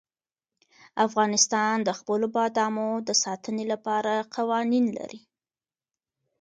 افغانستان د خپلو بادامو د ساتنې لپاره قوانین لري.